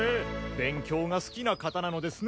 勉強が好きな方なのですね。